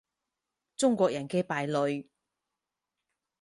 中國人嘅敗類